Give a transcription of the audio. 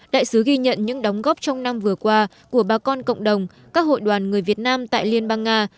đại sứ ghi nhận những đóng góp trong năm vừa qua của bà con cộng đồng các hội đoàn người việt nam tại liên bang nga